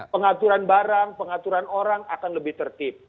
pengaturan barang pengaturan orang akan lebih tertib